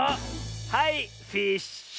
はいフィッシュ！